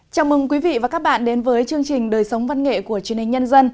chào mừng quý vị và các bạn đến với chương trình đời sống văn nghệ của truyền hình nhân dân